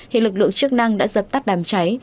hiện lực lượng chức năng đã dập tắt đám cháy